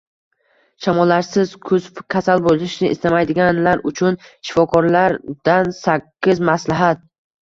Shamollashsiz kuz: kasal bo‘lishni istamaydiganlar uchun shifokorlardansakkizmaslahat